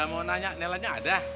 mau nanya nelanya ada